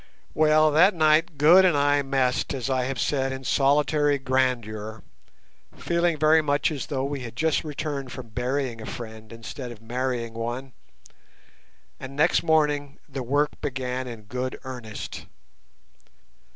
Well, that night Good and I messed as I have said in solitary grandeur, feeling very much as though we had just returned from burying a friend instead of marrying one, and next morning the work began in good earnest.